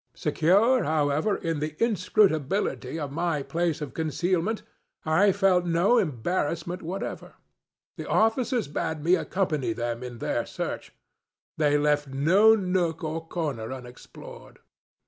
Secure, however, in the inscrutability of my place of concealment, I felt no embarrassment whatever. The officers bade me accompany them in their search. They left no nook or corner unexplored.